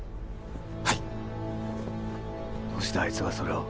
はいどうしてあいつがそれを？